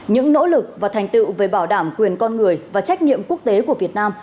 những nỗ lực và thành tựu về bảo đảm quyền con người và trách nhiệm quốc tế của việt nam